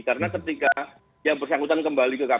karena ketika yang bersangkutan kembali ke kpk